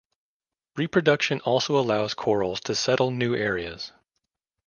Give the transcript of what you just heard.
Reproduction also allows corals to settle new areas.